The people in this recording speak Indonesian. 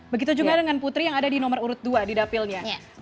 begitu juga dengan putri yang ada di nomor urut dua di dapilnya